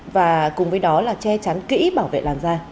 và cùng với đó là che chắn kỹ bảo vệ làn da